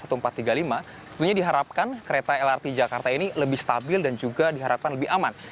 tentunya diharapkan kereta lrt jakarta ini lebih stabil dan juga diharapkan lebih aman